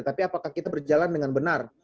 tapi apakah kita berjalan dengan benar